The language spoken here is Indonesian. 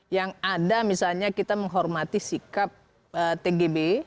yang ada misalnya kita menghormati sikap tgb